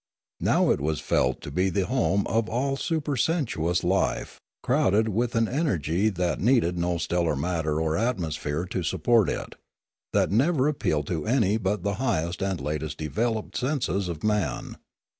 Now it was felt to be the home of all supersensuous life, crowded with an energy that needed no stellar matter or atmosphere to sup port it, that never appealed to any but the highest 306 Limanora and latest developed senses of man.